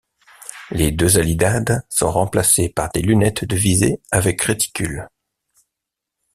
Les deux alidades sont remplacées par des lunettes de visée avec réticule.